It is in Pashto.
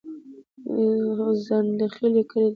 ځنډيخيل يو کلي ده